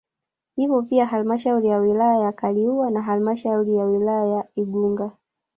Ipo pia halmashauri ya wilaya ya Kaliua na halmashauri ya wilaya ya Igunga